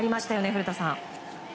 古田さん。